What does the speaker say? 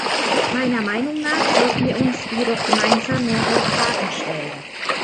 Meiner Meinung nach sollten wir uns jedoch gemeinsam mehrere Fragen stellen.